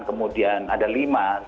kemudian ada lima